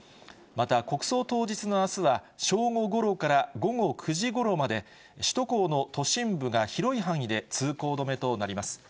また国葬当日のあすは、正午ごろから午後９時ごろまで、首都高の都心部が広い範囲で通行止めとなります。